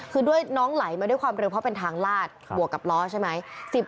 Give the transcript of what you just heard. คือด้วยน้องไหลมาด้วยความเร็วเพราะเป็นทางลาดบวกกับล้อใช่ไหม